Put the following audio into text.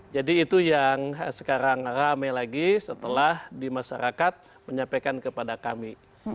jadi itu yang sekarang rame lagi setelah di masyarakat menyampaikan kepada kami